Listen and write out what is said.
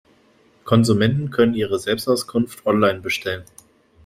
Konsumenten können ihre Selbstauskunft online bestellen.